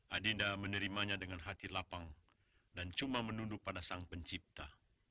adinda menerimanya dengan hati lapang dan cuma menunduk pada sang pencipta